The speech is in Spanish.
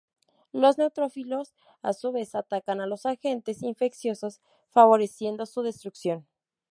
Los neutrófilos a su vez atacan a los agentes infecciosos, favoreciendo su destrucción.